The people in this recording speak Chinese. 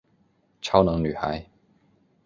超能女孩。